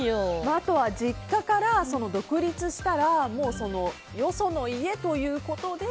あとは実家から独立したらもうよその家ということで。